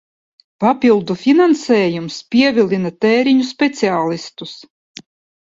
Papildu finansējums pievilina tēriņu speciālistus!